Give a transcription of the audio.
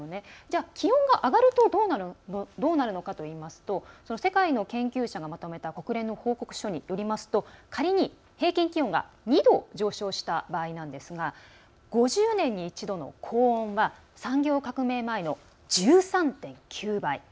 気温が上がるとどうなるかといいますと、世界の研究者がまとめた国連の報告書によると仮に平均気温が２度上昇した場合なんですが５０年に一度の高温が産業革命前の１３．９倍。